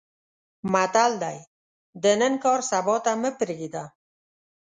متل دی: د نن کار سبا ته مې پرېږده.